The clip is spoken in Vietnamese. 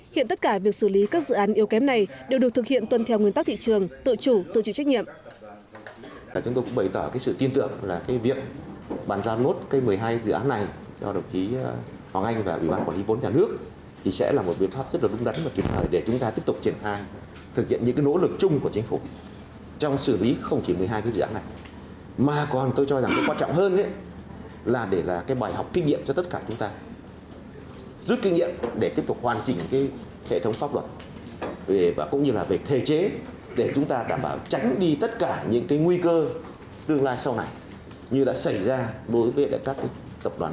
hiện tất cả việc xử lý các dự án yêu kém này đều được thực hiện tuân theo nguyên tắc thị trường tự chủ tự chịu trách nhiệm